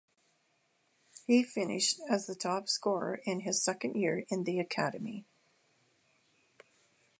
He finished as top scorer in his second year in their academy.